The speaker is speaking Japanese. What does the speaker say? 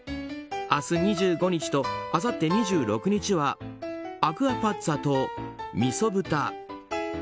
明日２５日とあさって２６日はアクアパッツァとみそ豚。